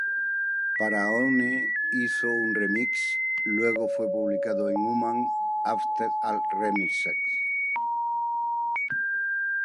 Para One hizo un remix que luego fue publicado en Human After All Remixes.